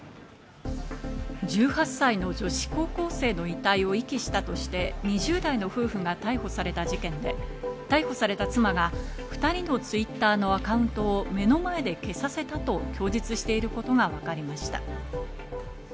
１８歳の女子高生の遺体を遺棄したとして２０代の夫婦が逮捕された事件で、逮捕された妻が２人のＴｗｉｔｔｅｒのアカウントを目の前で消させたと供述していることがわかりました。